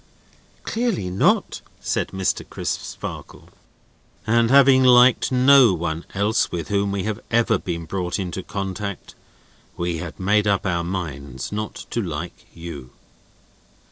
"Clearly not," said Mr. Crisparkle. "And having liked no one else with whom we have ever been brought into contact, we had made up our minds not to like you."